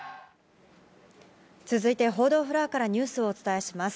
続いて報道フロアからニュースをお伝えします。